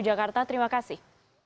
jakarta terima kasih